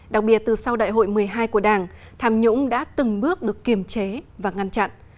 đặc biệt từ sau đại hội một mươi hai của đảng tham nhũng đã từng bước được kiềm chế và ngăn chặn